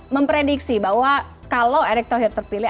memprediksi bahwa kalau erick thohir terpilih